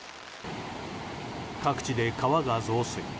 各地で川が増水。